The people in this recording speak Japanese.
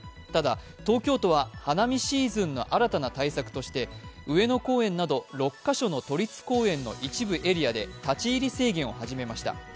ただ、東京都は花見シーズンの新たな対策として上野公園など６カ所の都立公園の一部エリアで立ち入り制限を始めました。